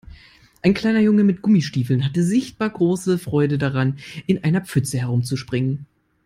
Ein kleiner Junge mit Gummistiefeln hatte sichtbar große Freude daran, in einer Pfütze herumzuspringen.